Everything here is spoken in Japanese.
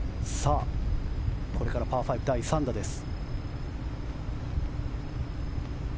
これからパー５、第３打です。